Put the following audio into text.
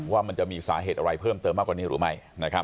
ว่ามันจะมีสาเหตุอะไรเพิ่มเติมมากกว่านี้หรือไม่